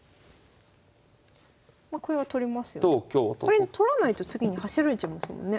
これ取らないと次に走られちゃいますもんね。